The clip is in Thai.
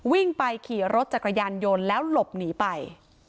วิ่งไปขี่รถจักรยานยนต์แล้วหลบหนีไป